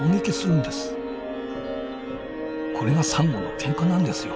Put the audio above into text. これがサンゴのけんかなんですよ。